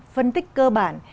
phân tích cơ bản